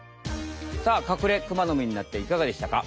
さあカクレクマノミになっていかがでしたか？